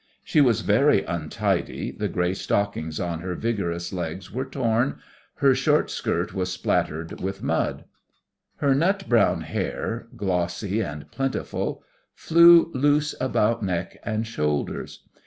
She was very untidy, the grey stockings on her vigorous legs were torn, her short skirt was spattered with mud. Her nut brown hair, glossy and plentiful, flew loose about neck and shoulders.